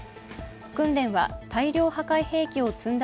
訓練は大量破壊兵器を積んだ